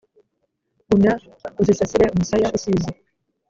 Gumya uzisasire umusaya usize